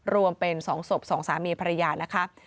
รวมเป็นสองศพสองสามีภรรยานะคะ